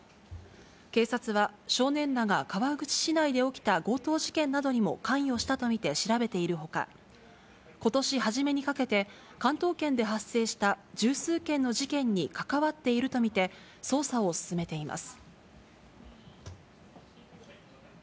警察は、少年らが川口市内で起きた強盗事件などにも関与したと見て調べているほか、ことし初めにかけて、関東圏で発生した十数件の事件に関わっていると見て、捜査を進めています。